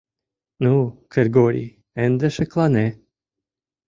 — Ну, Кыргорий, ынде шеклане!..